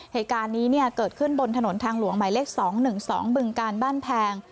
เหตุการณ์นี้เกิดขึ้นบนถนนทางหลวงหมายเลข๒๑๒บึงการบ้านแพง